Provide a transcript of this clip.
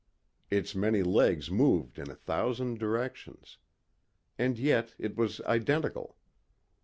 Its many legs moved in a thousand directions. And yet it was identical.